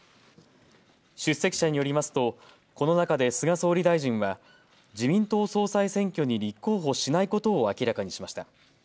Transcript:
出席者によりますとこの中で菅総理大臣は自民党総裁選挙に立候補しないことを明らかにしました。